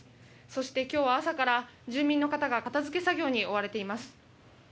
そして、今日は朝から住民の方が片付け作業に追われています。